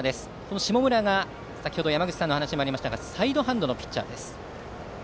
下村が先程山口さんの話でもありましたがサイドハンドのピッチャーです。